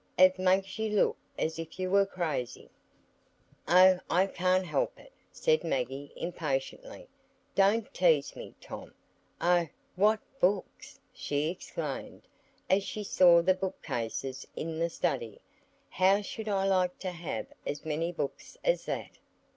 "It makes you look as if you were crazy." "Oh, I can't help it," said Maggie, impatiently. "Don't tease me, Tom. Oh, what books!" she exclaimed, as she saw the bookcases in the study. "How I should like to have as many books as that!"